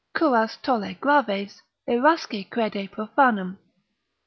Curas tolle graves, irasci crede profanum.